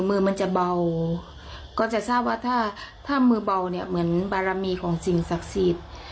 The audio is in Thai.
มือมันจะเบาก็จะทราบว่าถ้าถ้ามือเบาเนี่ยเหมือนบารมีของสิ่งศักดิ์สิทธิ์